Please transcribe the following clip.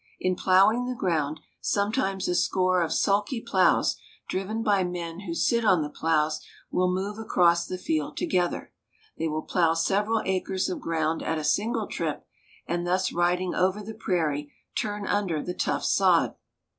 In plowing the ground, sometimes a score of sulky plows, driven by men who sit on the plows, will move across the field together. They will plow several acres of ground at a single trip, and thus riding over the prairie turn under the tough sod.